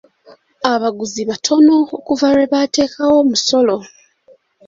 Abaguzi batono okuva lwe baateekawo omusolo.